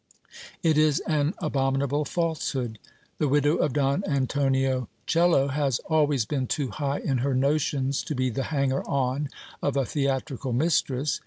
It is an abominable falsehood ; the widow of Don Antonio Coello has always been too high in her notions, to be the hanger on of a theatrical mistress.